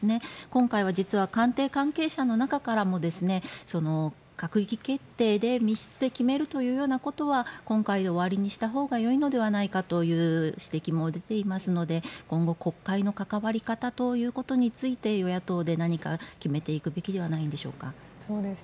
今回は実は官邸関係者の中からも閣議決定で密室で決めるというようなことは今回で終わりにしたほうがよいのではないかという指摘も出ていますので今後、国会の関わり方ということについて与野党で何か決めていくべきではないでしょうか。